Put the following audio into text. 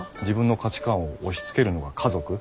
自分の価値観を押しつけるのが家族？